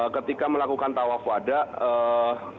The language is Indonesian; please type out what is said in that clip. ketika melakukan tawaf wadah